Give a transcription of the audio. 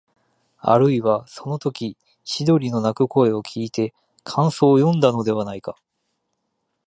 あるいは、そのとき千鳥の鳴く声をきいて感想をよんだのではないか、